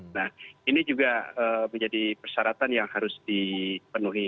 nah ini juga menjadi persyaratan yang harus dipenuhi